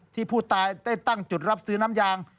ที่ผู้ตายได้ตั้งจุดรับซื้อน้ำยาง